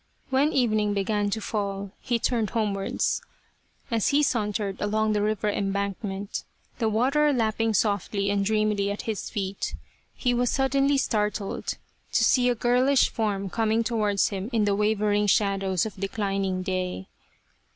When evening began to fall he turned home wards. As he sauntered along the river embankment, 105 The Reincarnation of Tama the water lapping softly and dreamily at his feet, he was suddenly startled to see a girlish form coming towards him in the wavering shadows of declining day.